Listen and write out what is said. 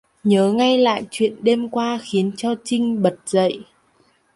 Nhớ ngay lại chuyện đêm qua khiến cho chinh bật dậy